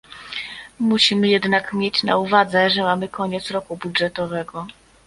Musimy jednak mieć na uwadze, że mamy koniec roku budżetowego